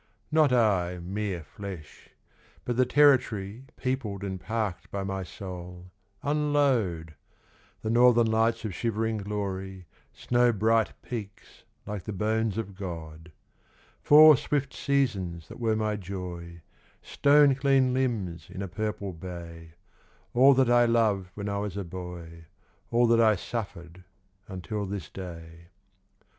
Not I mere flesh, but the territory Peopled and parked by my soul, unload ; The northern lights of shivering glory, Snow bright peaks like the bones of God ; Four swift seasons that were my joy, Stone clean limbs in a purple bay, All that I loved when I was a boy, All that I suffered until this day.